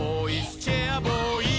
チェアボーイ！」